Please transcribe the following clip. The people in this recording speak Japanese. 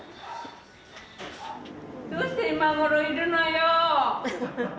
どうして今ごろいるのよ。